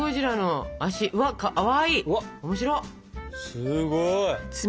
すごい！